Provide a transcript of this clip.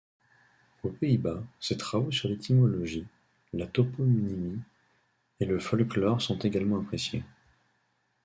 Aux Pays-Bas, ses travaux sur l'étymologie, la toponymie et le folklore sont également appréciés.